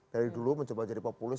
dari dulu mencoba jadi populis